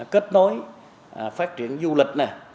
kết nối phát triển du lịch